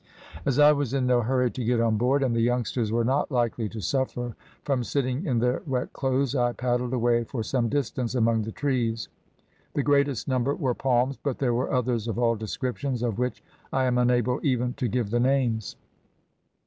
"As I was in no hurry to get on board, and the youngsters were not likely to suffer from sitting in their wet clothes, I paddled away for some distance among the trees. The greatest number were palms, but there were others of all descriptions, of which I am unable even to give the names.